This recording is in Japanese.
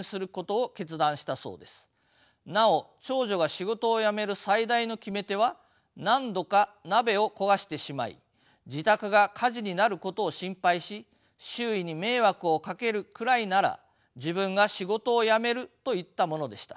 なお長女が仕事を辞める最大の決め手は何度か鍋を焦がしてしまい自宅が火事になることを心配し周囲に迷惑をかけるくらいなら自分が仕事を辞めるといったものでした。